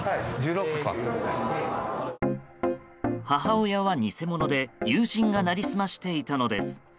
母親は偽者で友人が成り済ましていたのです。